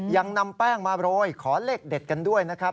ยังนำแป้งมาโรยขอเลขเด็ดกันด้วยนะครับ